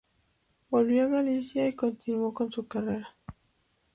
Volvió a Galicia y continuó con su carrera.